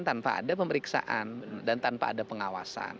tanpa ada pemeriksaan dan tanpa ada pengawasan